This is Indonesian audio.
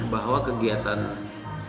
bahwa kegiatan tersebut